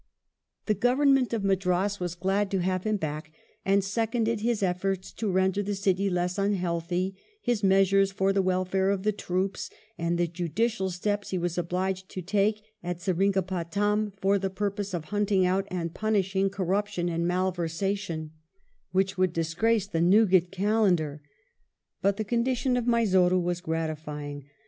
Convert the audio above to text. The Government of Madras were glad to have him back, and seconded his efforts to render the city less unhealthy, his measures for the welfare of the troops, and the judicial steps he was obliged to take at Seringapatam for the purpose of hunting out and punishing corruption and malversation "which would disgrace the Newgate Calendar." But the condition of Mysore was gratifying.